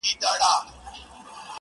خو نن د زړه له تله.